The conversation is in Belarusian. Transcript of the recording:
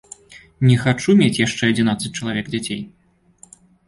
Не хачу мець яшчэ адзінаццаць чалавек дзяцей!